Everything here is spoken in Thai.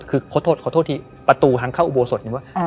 คือขอโทษขอโทษที่ประตูทางเข้าอุโบสถนึงว่า